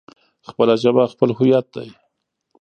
خپله ژبه خپله هويت دی.